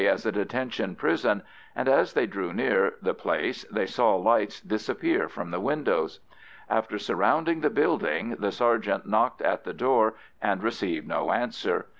as a detention prison, and as they drew near the place they saw lights disappear from the windows. After surrounding the building, the sergeant knocked at the door and received no answer.